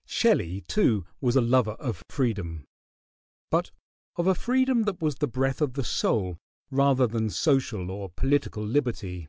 ] Shelley, too, was a lover of freedom; but of a freedom that was the breath of the soul rather than social or political liberty.